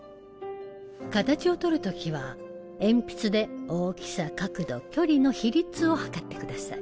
形を取るときは鉛筆で大きさ角度距離の比率を測ってください。